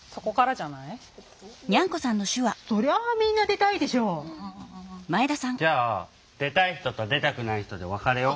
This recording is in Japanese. じゃあ出たい人と出たくない人で分かれよう。